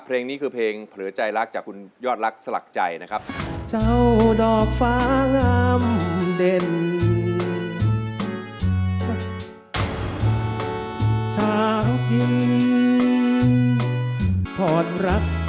เพลงนี้คือเพลงเผลอใจรักจากคุณยอดรักสลักใจนะครับ